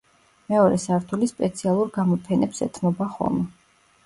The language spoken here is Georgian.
მეორე სართული სპეციალურ გამოფენებს ეთმობა ხოლმე.